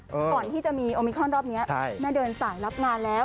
ก่อนที่จะมีโอมิคอนรอบนี้แม่เดินสายรับงานแล้ว